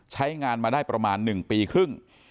ใช้งานมาได้ประมาณ๑ปีครึ่ง